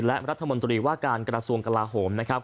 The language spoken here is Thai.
และรัฐมนตรีว่าการกระทรวงกลาโหมนะครับ